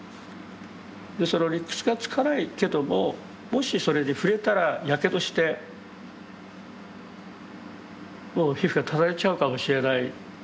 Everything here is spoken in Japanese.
その理屈がつかないけどももしそれに触れたらやけどしてもう皮膚がただれちゃうかもしれない。